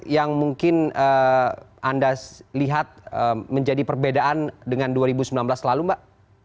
yang mungkin anda lihat menjadi perbedaan dengan dua ribu sembilan belas lalu mbak